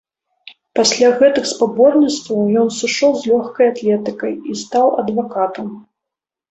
Пасля гэтых спаборніцтваў ён сышоў з лёгкай атлетыкай і стаў адвакатам.